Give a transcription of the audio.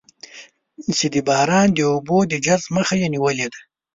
چې د باران د اوبو د جذب مخه یې نېولې ده.